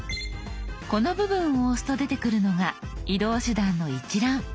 この部分を押すと出てくるのが移動手段の一覧。